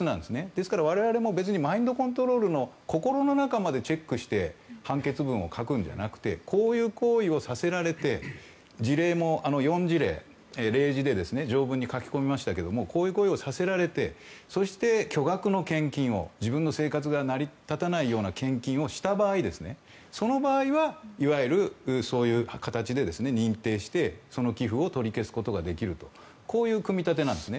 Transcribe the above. ですから我々もマインドコントロールの心の中までチェックして判決文を書くのではなくてこういう行為をさせられて事例も４事例例示で条文に書き込みましたがこういう行為をさせられてそして巨額の献金を自分の生活が成り立たないような献金をした場合その場合は、いわゆるそういう形で認定してその寄付を取り消すことができるとこういう組み立てなんです。